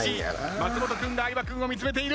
松本君が相葉君を見つめている。